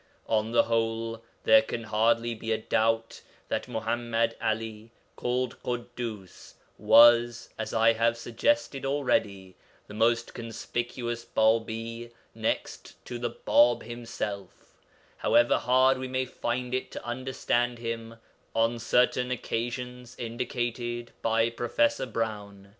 On the whole, there can hardly be a doubt that Muḥammad 'Ali, called Ḳuddus, was (as I have suggested already) the most conspicuous Bābī next to the Bāb himself, however hard we may find it to understand him on certain occasions indicated by Prof. Browne.